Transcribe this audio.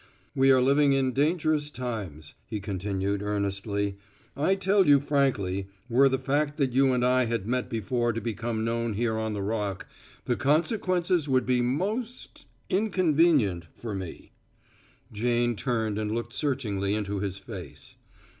"We are living in dangerous times," he continued earnestly. "I tell you frankly, were the fact that you and I had met before to become known here on the Rock the consequences would be most inconvenient for me." Jane turned and looked searchingly into his face.